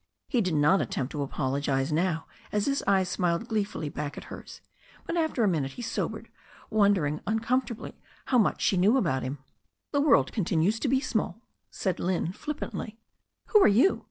He did not attempt to apologize now as his eyes smiled gleefully back at hers, but after a minute he sobered, won dering uncomfortably how much she knew about him. "The world continues to be small," said Lynne flippantly. "Who are you?"